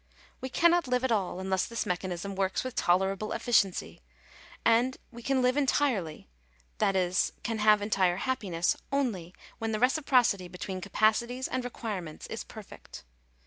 We cannot live at all unless this mechanism works with tolerable efficiency ; and we can live entirely — that is can have entire happiness — only when the reciprocity between capacities and requirements is perfect.